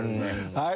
はい。